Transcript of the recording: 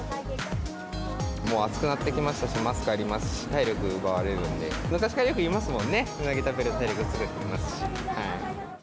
もう暑くなってきましたし、マスクありますし、体力奪われるので、昔からよく言いますもんね、うなぎ食べると体力つくっていいますし。